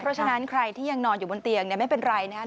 เพราะฉะนั้นใครที่ยังนอนอยู่บนเตียงเนี่ยไม่เป็นไรนะครับ